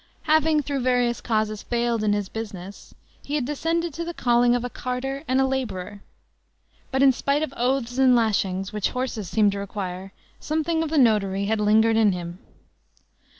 Having, through various causes, failed in his business, he had descended to the calling of a carter and a laborer. But, in spite of oaths and lashings, which horses seem to require, something of the notary had lingered in him.